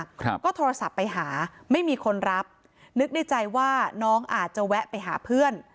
ครับก็โทรศัพท์ไปหาไม่มีคนรับนึกในใจว่าน้องอาจจะแวะไปหาเพื่อน